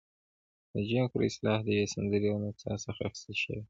د جیم کرو اصطلاح د یوې سندرې او نڅا څخه اخیستل شوې وه.